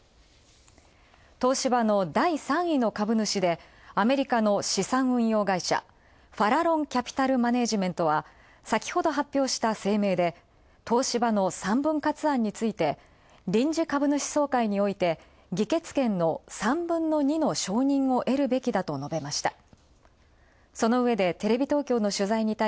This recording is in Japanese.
東芝の第三位の株主でアメリカの資産運用会社、ファラロン・キャピタル・マネージメントは、先ほど発表した声明で東芝の３分割案について臨時株主総会において議決権の３分の３の承認を得るべきだとのべました。